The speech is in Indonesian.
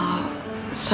itu sama sama